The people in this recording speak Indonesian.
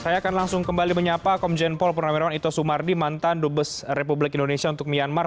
saya akan langsung kembali menyapa komjen paul purnawirawan ito sumardi mantan dubes republik indonesia untuk myanmar